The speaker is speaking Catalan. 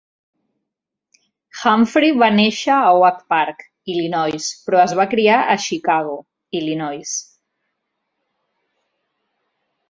Humphrey va néixer a Oak Park, Illinois, però es va criar a Chicago, Illinois.